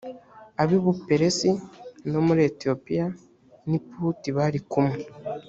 ab i buperesi no muri etiyopiya n i puti bari kumwe